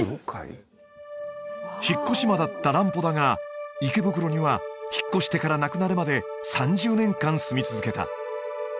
引っ越し魔だった乱歩だが池袋には引っ越してから亡くなるまで３０年間住み続けた